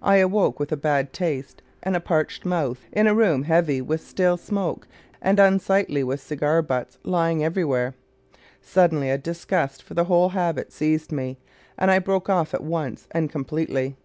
I awoke with a bad taste and a parched mouth in a room heavy with stale smoke and unsightly with cigar butts lying everywhere. Suddenly a disgust for the whole habit seized me, and I broke off at once and completely.